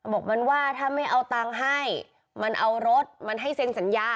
บอกมันว่าถ้าไม่เอาตังค์ให้มันเอารถมันให้เซ็นสัญญา